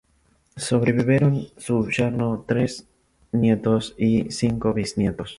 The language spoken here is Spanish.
Lo sobrevivieron su yerno, tres nietos y cinco bisnietos.